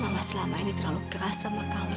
mama selama ini terlalu keras sama kami